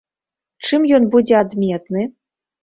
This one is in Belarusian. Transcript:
Чым ён будзе адметны?